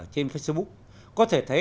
trên facebook có thể thấy